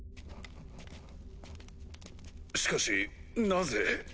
しかしなぜ。